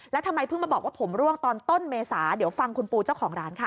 แล้วทำไมเพิ่งมาบอกว่าผมร่วงตอนต้นเมษาเดี๋ยวฟังคุณปูเจ้าของร้านค่ะ